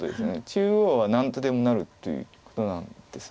中央は何とでもなるということなんです。